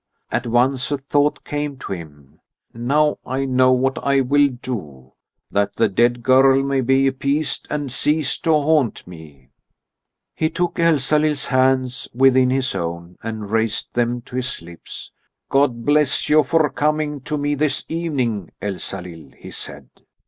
At once a thought came to him: "Now I know what I will do, that the dead girl may be appeased and cease to haunt me." He took Elsalill's hands within his own and raised them to his lips. "God bless you for coming to me this evening, Elsalill!" he said.